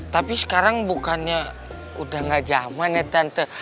tapi sekarang bukannya udah gak zaman ya tante